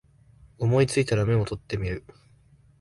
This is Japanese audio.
思いついたらメモ取ってみる